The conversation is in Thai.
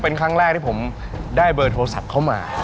เป็นครั้งแรกที่ผมได้เบอร์โทรศัพท์เข้ามา